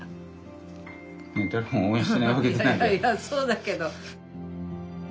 そうだけど。